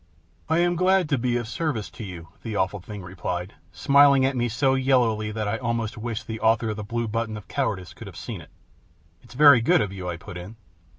"I am glad to be of service to you," the Awful Thing replied, smiling at me so yellowly that I almost wished the author of the Blue Button of Cowardice could have seen it. "It's very good of you," I put in.